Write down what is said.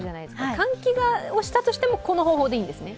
換気をしたとしてもこの方法がいいんですね？